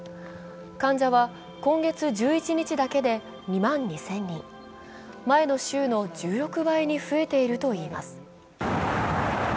患者は今月１１日だけで２万２０００人前の週の１６倍に増えているといいます。